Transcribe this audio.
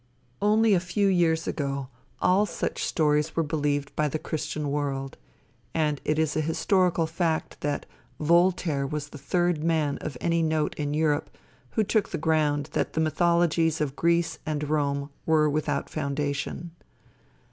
Only a few years ago, all such stories were believed by the christian world; and it is a historical fact, that Voltaire was the third man of any note in Europe, who took the ground that the mythologies of Greece and Rome were without foundation.